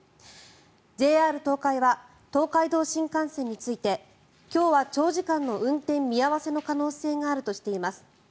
ＪＲ東海は東海道新幹線について今日は長時間の運転見合わせの可能性があるとしています。